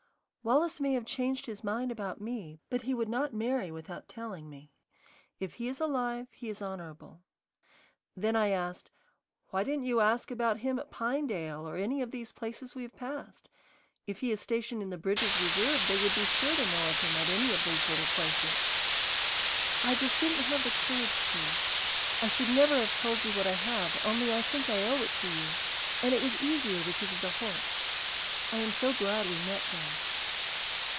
"Wallace may have changed his mind about me, but he would not marry without telling me. If he is alive he is honorable." Then I asked, "Why didn't you ask about him at Pinedale or any of these places we have passed? If he is stationed in the Bridges reserve they would be sure to know of him at any of these little places." "I just didn't have the courage to. I should never have told you what I have, only I think I owe it to you, and it was easier because of the Holts. I am so glad we met them."